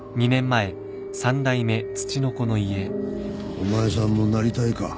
お前さんもなりたいか？